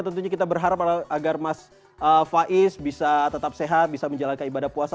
tentunya kita berharap agar mas faiz bisa tetap sehat bisa menjalankan ibadah puasa